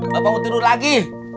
bapak mau tidur lagi